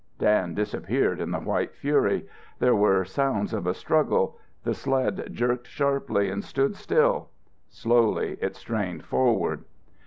_" Dan disappeared in the white fury. There were sounds of a struggle; the sled jerked sharply and stood still. Slowly it strained forward.